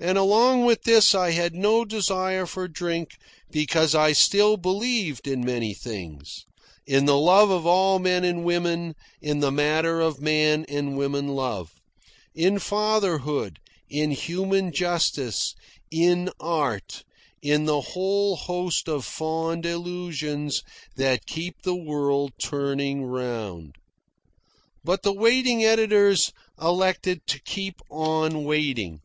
And along with this I had no desire for drink because I still believed in many things in the love of all men and women in the matter of man and woman love; in fatherhood; in human justice; in art in the whole host of fond illusions that keep the world turning around. But the waiting editors elected to keep on waiting.